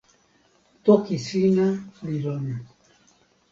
toki sina li lon.